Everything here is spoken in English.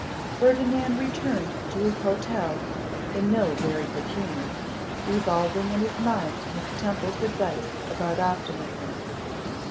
FERDINAND returned to his hotel in no very good humour, revolving in his mind Miss Temple's advice about optimism.